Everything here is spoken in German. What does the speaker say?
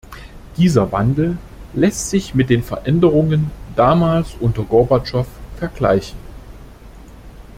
Dieser Wandel lässt sich mit den Veränderungen damals unter Gorbatschow vergleichen.